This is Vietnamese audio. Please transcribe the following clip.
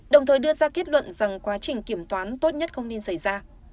đồng thời đưa ra kết luận rằng quá trình kiểm toán tốt nhất không nên xảy ra